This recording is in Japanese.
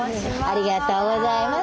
ありがとうございます。